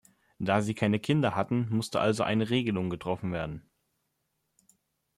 Da sie keine Kinder hatten, musste also eine Regelung getroffen werden.